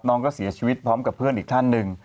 น้องก็เสียชีวิตพร้อมกับเพื่อนอีกท่านหนึ่ง